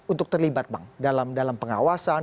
untuk terlibat bang dalam pengawasan